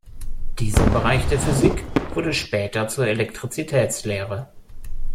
Dieser Bereich der Physik wurde später zur Elektrizitätslehre.